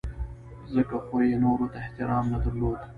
ځکه خو یې نورو ته هم احترام نه درلود.